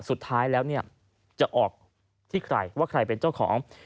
สุดท้ายแล้วเนี่ยจะออกที่ใครว่าใครเป็นเจ้าของ